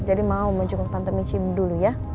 jadi mau mencukup tante michi dulu ya